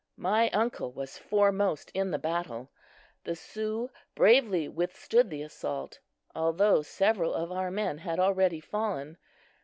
My uncle was foremost in the battle. The Sioux bravely withstood the assault, although several of our men had already fallen.